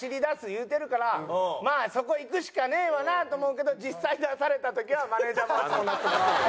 言うてるからまあそこいくしかねえわなと思うけど実際出された時はマネジャーもわしも納得いってない。